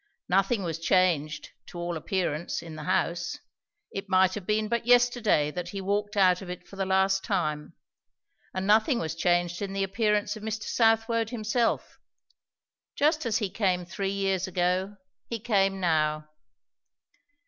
Nothing was changed, to all appearance, in the house; it might have been but yesterday that he walked out of it for the last time; and nothing was changed in the appearance of Mr. Southwode himself. Just as he came three years ago, he came now.